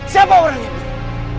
siapa orangnya guru